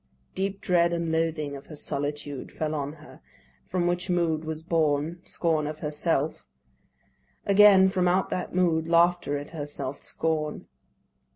Deep dread and loathing of her solitude Fell on her, from which mood was born Scorn of herself; again, from out that mood Laughter at her self scorn.